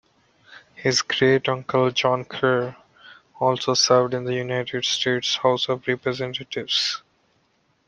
His great uncle John Kerr also served in the United States House of Representatives.